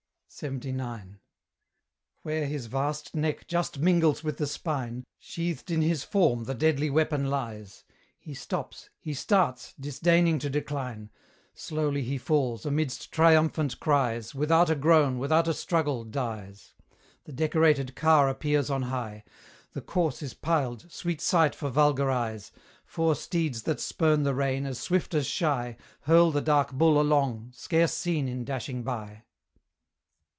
LXXIX. Where his vast neck just mingles with the spine, Sheathed in his form the deadly weapon lies. He stops he starts disdaining to decline: Slowly he falls, amidst triumphant cries, Without a groan, without a struggle dies. The decorated car appears on high: The corse is piled sweet sight for vulgar eyes; Four steeds that spurn the rein, as swift as shy, Hurl the dark bull along, scarce seen in dashing by.